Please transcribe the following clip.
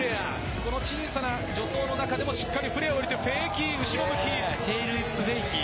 この小さな助走の中でもしっかりフレアを入れてフェイキー後ろ向き。